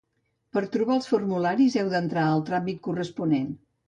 Per trobar els formularis heu d'entrar al tràmit corresponent.